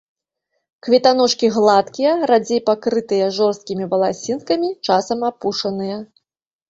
Кветаножкі гладкія, радзей пакрытыя жорсткімі валасінкамі, часам апушаныя.